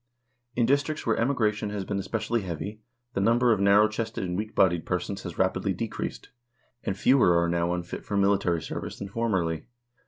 In districts where emigration has been especially heavy, the number of narrow chested and weak bodied persons has rapidly decreased, and fewer are now unfit for military service than formerly.